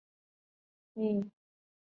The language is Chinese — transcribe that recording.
仙馔密酒是指希腊神话中诸神的食物。